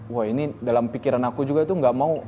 wah ini dalam pikiran aku juga tuh gak mau